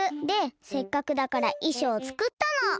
でせっかくだからいしょうをつくったの。